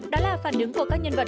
đó là phản ứng của các nhân vật